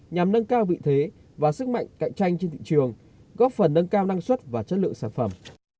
nhằm nâng cao vị thế và sức mạnh cạnh tranh trên thị trường góp phần nâng cao năng suất và chất lượng sản phẩm